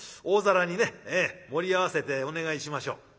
大皿にね盛り合わせてお願いしましょう」。